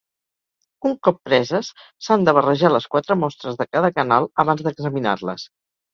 Un cop preses, s'han de barrejar les quatre mostres de cada canal abans d'examinar-les.